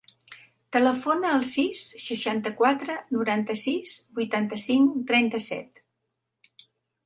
Telefona al sis, seixanta-quatre, noranta-sis, vuitanta-cinc, trenta-set.